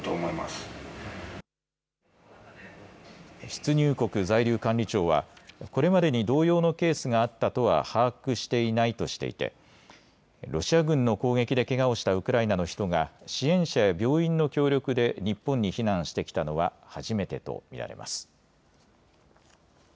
出入国在留管理庁はこれまでに同様のケースがあったとは把握していないとしていてロシア軍の攻撃でけがをしたウクライナの人が支援者や病院の協力で日本に避難してきたのは初めてと見られます。